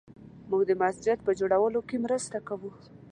موږ د مسجد په جوړولو کې مرسته کوو